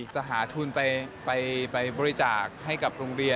จะหาทุนไปบริจาคให้กับโรงเรียน